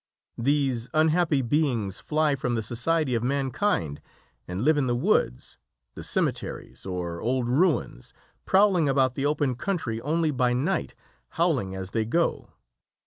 These unhappy beings fly from the society of mankind and live in the woods, the cemeteries, or old ruins, prowling about the open country only by night, howling as they go.